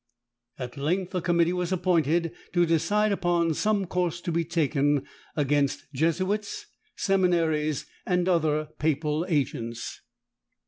At length a committee was appointed to decide upon some course to be taken against jesuits, seminaries, and other papal agents.